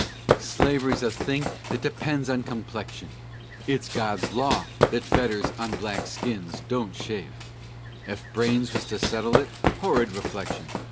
"Slavery's a thing thet depends on complexion, It's God's law thet fetters on black skins don't chafe; Ef brains wuz to settle it (horrid reflection!)